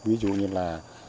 ví dụ như là